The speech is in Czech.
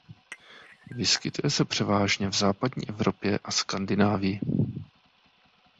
Vyskytuje se převážně v Západní Evropě a Skandinávii.